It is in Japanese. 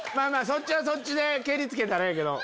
そっちはそっちでケリつけたらええけど。